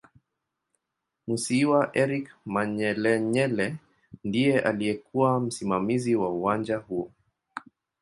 Musiiwa Eric Manyelenyele ndiye aliyekuw msimamizi wa uwanja huo